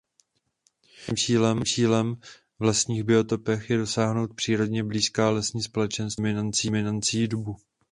Hlavním cílem v lesních biotopech je dosáhnout přírodě blízká lesní společenstva s dominancí dubu.